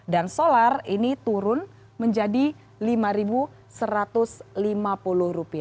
dan solar ini turun menjadi rp lima satu ratus lima puluh